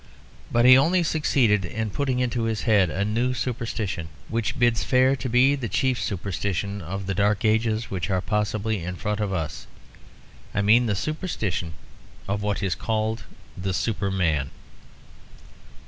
But he only succeeded in putting into his head a new superstition, which bids fair to be the chief superstition of the dark ages which are possibly in front of us I mean the superstition of what is called the Superman.